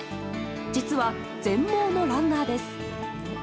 実は全盲のランナーです。